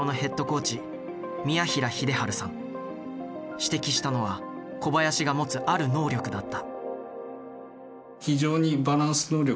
指摘したのは小林が持つある能力だった。